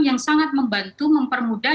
yang sangat membantu mempermudah